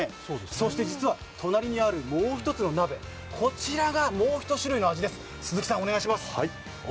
そして実は隣にあるもう１つの鍋、こちらがもう１種類の味です。